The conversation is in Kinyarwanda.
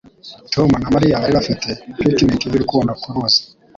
Tom na Mariya bari bafite picnic y'urukundo ku ruzi.